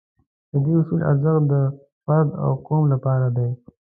د دې اصول ارزښت د فرد او قوم لپاره دی.